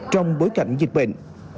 trong bối cảnh dịch bệnh